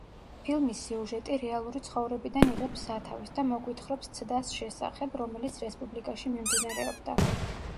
ფილმის სიუჟეტი რეალური ცხოვრებიდან იღებს სათავეს და მოგვითხრობს ცდას შესახებ, რომელიც რესპუბლიკაში მიმდინარეობდა.